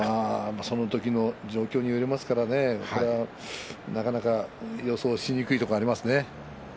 その時の状況によりますからねなかなか予想しにくいところがありますね。